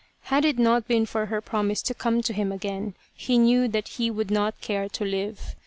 Had it not been for her promise to come to him again he knew that he would not care to live.